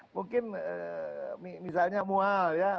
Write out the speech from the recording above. mungkin misalnya mual ya